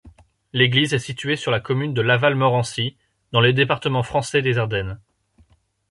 L'église est située sur la commune de Laval-Morency, dans le département français des Ardennes.